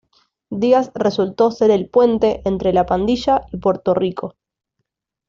Díaz resultó ser el "puente" entre La Pandilla y Puerto Rico.